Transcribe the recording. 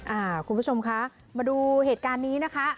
คุณผู้ชมคะมาดูเหตุการณ์นี้นะคะ